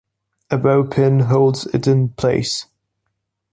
A bow pin holds it in place.